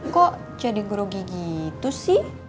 kok jadi gerugi gitu sih